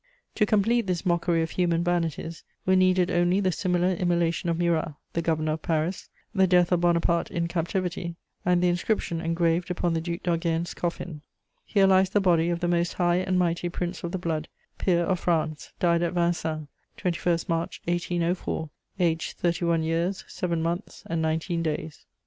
To complete this mockery of human vanities were needed only the similar immolation of Murat, the Governor of Paris, the death of Bonaparte in captivity, and the inscription engraved upon the Duc d'Enghien's coffin: "Here lies the body of the most high and mighty Prince of the Blood, Peer of France, died at Vincennes, 21 March 1804; aged 31 years, 7 months and 19 days."